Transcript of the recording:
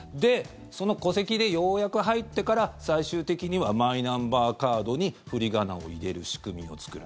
その戸籍でようやく入ってから最終的にはマイナンバーカードに振り仮名を入れる仕組みを作る。